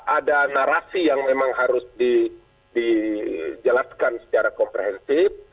ada narasi yang memang harus dijelaskan secara komprehensif